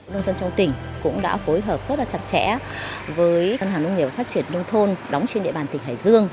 nông dân trong tỉnh cũng đã phối hợp rất là chặt chẽ với ngân hàng nông nghiệp và phát triển nông thôn đóng trên địa bàn tỉnh hải dương